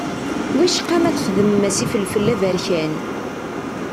Wicqa ma txedmem-as ifelfel aberkan.